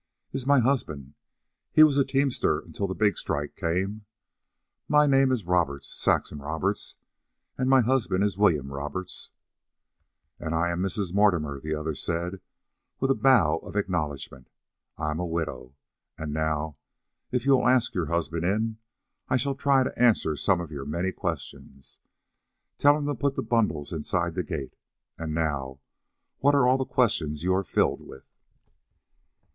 "Is my husband. He was a teamster until the big strike came. My name is Roberts, Saxon Roberts, and my husband is William Roberts." "And I am Mrs. Mortimer," the other said, with a bow of acknowledgment. "I am a widow. And now, if you will ask your husband in, I shall try to answer some of your many questions. Tell him to put the bundles inside the gate.. .. And now what are all the questions you are filled with?"